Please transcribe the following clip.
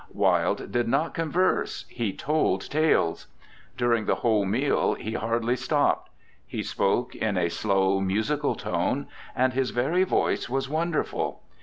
Wilde did not converse he told tales. During the whole meal he hardly stopped. He spoke in a slow, musical tone, and his very voice was wonderful.